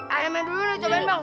ayamnya dulu coba bang